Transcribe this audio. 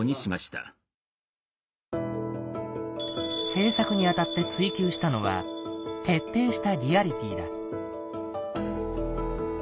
制作にあたって追求したのは「徹底したリアリティー」だ。